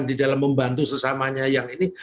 di dalam membantu sesamanya yang ini